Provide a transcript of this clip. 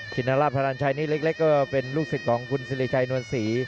ชินราชันชัยนี่เล็กก็เป็นลูกศิษย์ของคุณสิริชัยนวลศรี